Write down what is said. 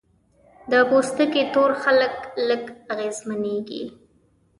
د پوستکي تور خلک لږ اغېزمنېږي.